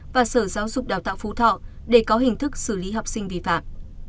và sở giáo dục đào tạo phú thọ để có hình thức xử lý học sinh vi phạm